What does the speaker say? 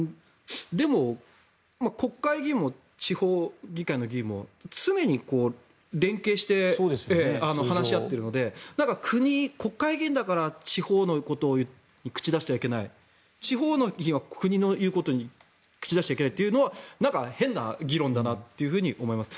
でも、国会議員も地方議会の議員も常に連携して話し合ってるので国会議員だから地方のことに口を出してはいけない地方の議員は国の言うことに口出しちゃいけないというのはなんか変な議論だなと思います。